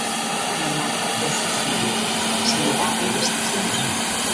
Pero, Patricia Barreiro, seguirá habendo excepcións.